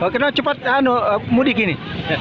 kenapa cepat mudik ini